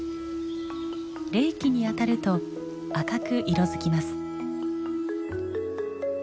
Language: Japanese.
冷気に当たると赤く色づきます。